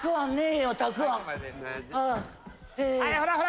ほらほら。